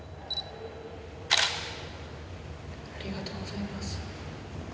ありがとうございます。